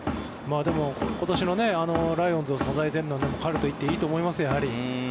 でも、今年のライオンズを支えているのは彼といっていいと思いますよ。